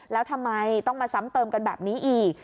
แล้วทำไมต้องมาซ้ำเติมกันแบบนี้อีก